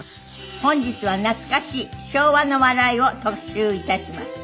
本日は懐かしい昭和の笑いを特集致します。